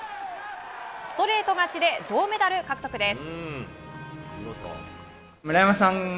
ストレート勝ちで銅メダル獲得です。